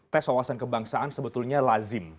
tes wawasan kebangsaan sebetulnya lazim